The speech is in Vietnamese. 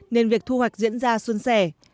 nên việc thu hoạch diễn ra xuân xẻ